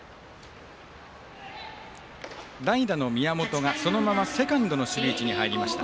代打の宮本がそのままセカンドの守備位置に入りました。